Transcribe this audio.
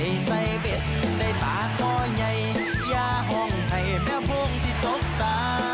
เวลาออกอาการง่วงนะ